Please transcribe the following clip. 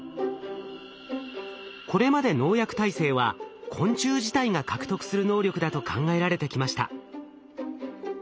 これまで農薬耐性は昆虫自体が獲得する能力だと考えられてきました。